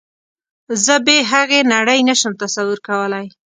زه بې هغې نړۍ نشم تصور کولی